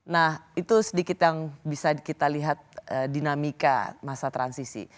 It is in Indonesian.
nah itu sedikit yang bisa kita lihat dinamika masa transisi